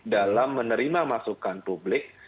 dalam menerima masukan publik